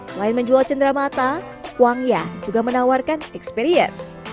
selain menjual cendera mata wangya juga menawarkan experience